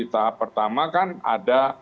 tahap pertama kan ada